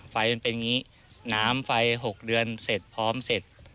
มันเป็นอย่างนี้น้ำไฟ๖เดือนเสร็จพร้อมเสร็จ